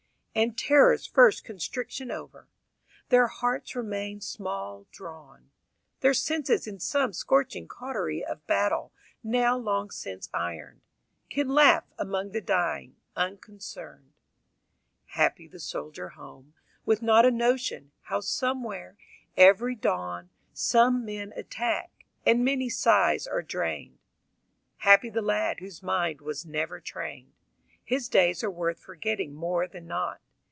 And terror's first constriction over, Their hearts remain small drawn. Their senses in some scorching cautery of battle Now long since ironed, Can laugh among the dying, unconcerned. IV Happy the soldier home, with not a notion How somewhere, every dawn, some men attack, And many sighs are drained. Happy the lad whose mind was never trained: His days are worth forgetting more than not.